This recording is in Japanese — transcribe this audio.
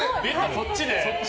そっちで？